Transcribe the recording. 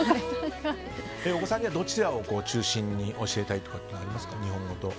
お子さんにはどちらを中心に教えたいとかありますか？